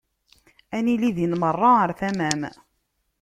Ad nili din merra ɣer tama-m.